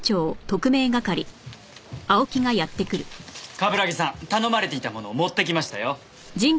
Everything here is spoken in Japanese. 冠城さん頼まれていたものを持ってきましたよ。